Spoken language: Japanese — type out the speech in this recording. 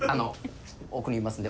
奥にいますので。